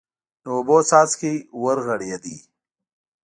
د اوبو څاڅکی ورغړېد.